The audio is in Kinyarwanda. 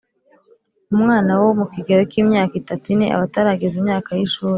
umwana wo mu kigero cy’imyaka itatu -ine, aba atarageza imyaka y’ishuri